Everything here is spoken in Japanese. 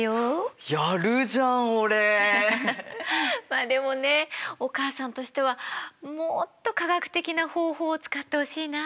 まあでもねお母さんとしてはもっと科学的な方法を使ってほしいな。